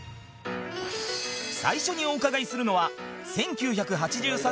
最初にお伺いするのは１９８３